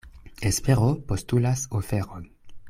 Espero postulas oferon.